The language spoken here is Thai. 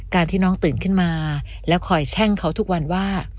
ที่น้องตื่นขึ้นมาแล้วคอยแช่งเขาทุกวันว่า